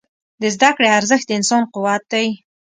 د زده کړې ارزښت د انسان قوت دی.